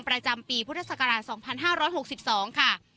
ประจำปีพุทธศักราช๒๕๖๒ค่ะ